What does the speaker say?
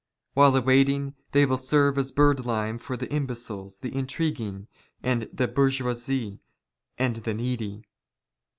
While awaiting they will serve as " birdlime for the imbeciles, the intriguing, the bourgeoisie, and " the needy.